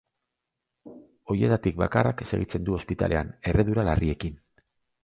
Horietatik bakarrak segitzen du ospitalean, erredura larriekin.